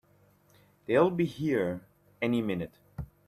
They'll be here any minute!